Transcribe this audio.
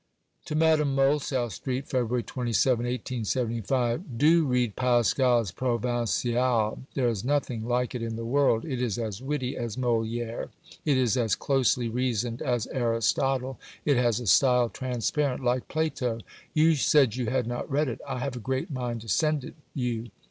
(To Madame Mohl.) SOUTH ST., Feb. 27 .... Do read Pascal's Provinciales. There is nothing like it in the world; it is as witty as Molière; it is as closely reasoned as Aristotle; it has a style transparent like Plato. You said you had not read it. I have a great mind to send it you.